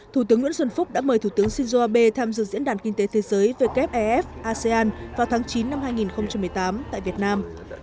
thủ tướng nguyễn xuân phúc đã mời thủ tướng shinzo abe tham dự diễn đàn kinh tế thế giới wef asean vào tháng chín năm hai nghìn một mươi tám tại việt nam